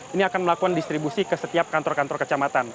ini akan melakukan distribusi ke setiap kantor kantor kecamatan